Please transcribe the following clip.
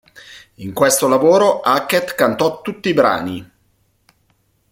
In questo lavoro Hackett cantò tutti i brani.